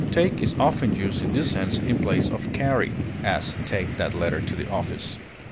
Take is often used in this sense in place of carry; as, take that letter to the office.